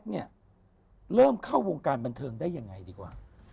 แต่ไม่แก่เยอะนะ